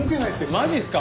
マジっすか？